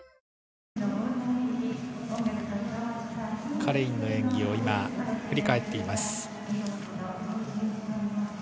カレインの演技を振り返っています。